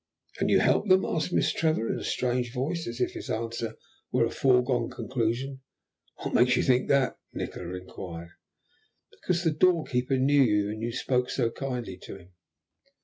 "And you help them?" asked Miss Trevor in a strange voice, as if his answer were a foregone conclusion. "What makes you think that?" Nikola inquired. "Because the doorkeeper knew you, and you spoke so kindly to him."